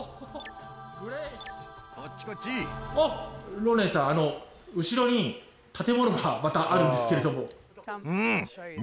ロネンさんあの後ろに建物がまたあるんですけども。